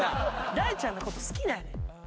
大ちゃんのこと好きなんや妹。